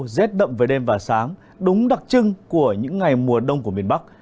rét đậm về đêm và sáng đúng đặc trưng của những ngày mùa đông của miền bắc